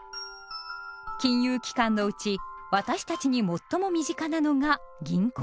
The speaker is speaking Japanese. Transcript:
金融機関のうち私たちに最も身近なのが「銀行」です。